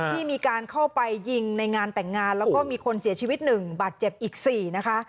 ที่มีการเข้าไปยิงในงานแต่งงานแล้วก็มีคนเสียชีวิต๑บาทเจ็บอีก๔นะคะ